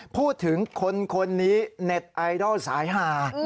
พูดถึงคนนี้เน็ตไอดอลสายหา